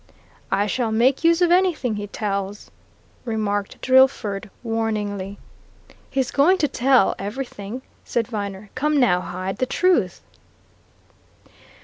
"I shall make use of anything he tells," remarked Drillford warningly. "He's going to tell everything," said Viner. "Come now, Hyde, the truth!"